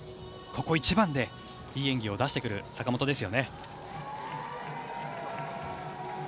ここ一番でいい演技を出してくる坂本ですよね。